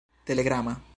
telegrama